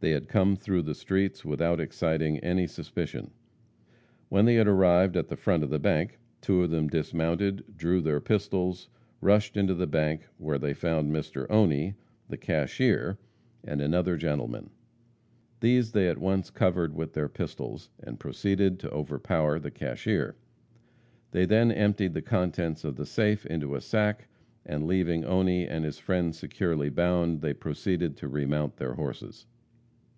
They had come through the streets without exciting any suspicion. When they had arrived at the front of the bank, two of them dismounted, drew their pistols, rushed into the bank, where they found Mr. Oney, the cashier, and another gentleman. These they at once covered with their pistols, and proceeded to overpower the cashier. They then emptied the contents of the safe into a sack, and leaving Oney and his friend securely bound, they proceeded to remount their horses.